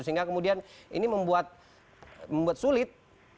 sehingga kemudian ini membuat sulit